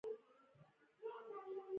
هغوی له کاچوغو او پنجو څخه استفاده نه کوله.